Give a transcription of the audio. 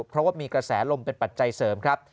เพราะว่ามีกระแสลมเป็นปัจจัยเสริมครับ